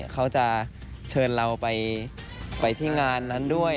เขาจะเชิญเราไปที่งานนั้นด้วย